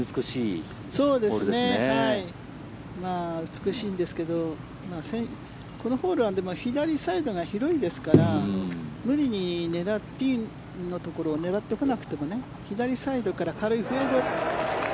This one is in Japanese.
美しいんですけどこのホールは左サイドが広いですから無理にピンのところを狙ってこなくても左サイドから軽いフェード